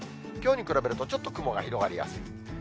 きょうに比べると、ちょっと雲が広がりやすい。